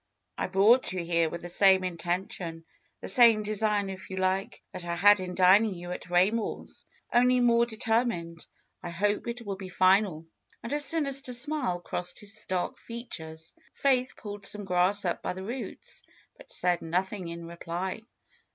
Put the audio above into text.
brought you here with the same intention, the same design if you like, that I had in dining you at Raymor's; only more determined. I hope it will be final," and a sinister smile crossed his dark features. Faith pulled some grass up by the roots; but said nothing in reply.